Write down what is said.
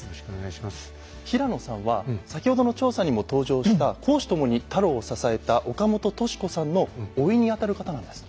平野さんは先ほどの調査にも登場した公私ともに太郎を支えた岡本敏子さんのおいにあたる方なんです。